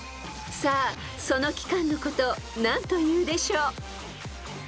［さあその期間のことを何というでしょう？］